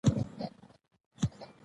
ميرويس خان يې يوې وړې کوټې ته بوت.